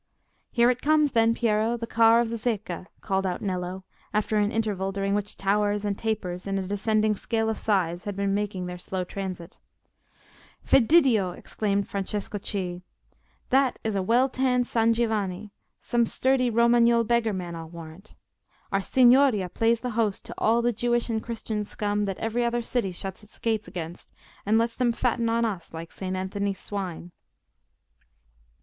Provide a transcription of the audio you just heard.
"Here it comes, then, Piero—the car of the Zecca," called out Nello, after an interval during which towers and tapers in a descending scale of size had been making their slow transit. "Fediddio!" exclaimed Francesco Cei, "that is a well tanned San Giovanni! some sturdy Romagnole beggar man, I'll warrant. Our Signoria plays the host to all the Jewish and Christian scum that every other city shuts its gates against, and lets them fatten on us like Saint Anthony's swine."